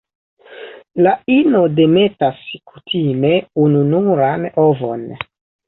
La ino demetas kutime ununuran ovon.